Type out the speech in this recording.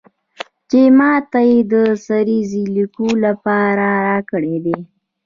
چې ماته یې د سریزې لیکلو لپاره راکړی دی.